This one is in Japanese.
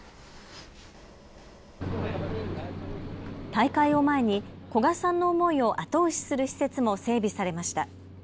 大会を前に古賀さんの思いを後押しする施設も整備されました。